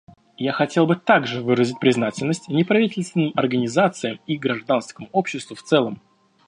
Я хотел бы также выразить признательность неправительственным организациям и гражданскому обществу в целом.